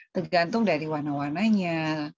tergantung dari warna warnanya